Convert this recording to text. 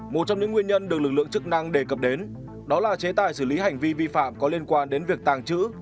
một trong những nguyên nhân được lực lượng chức năng đề cập đến đó là chế tài xử lý hành vi vi phạm có liên quan đến việc tàng trữ